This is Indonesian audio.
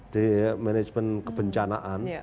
di management kebencanaan